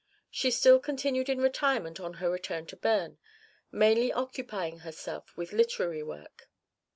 She still continued in retirement on her return to Beam, mainly occupying herself with literary work.